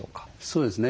そうですね。